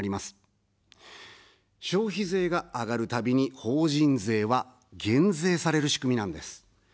消費税が上がるたびに法人税は減税される仕組みなんです。